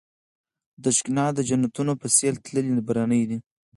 د ښــــــــکلا د جنــــــتونو په ســـــــېل تللـــــــی برنی دی